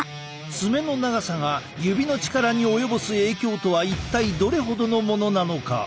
爪の長さが指の力に及ぼす影響とは一体どれほどのものなのか？